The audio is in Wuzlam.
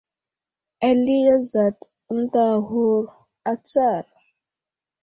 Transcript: Ali azat ənta aghur atsar.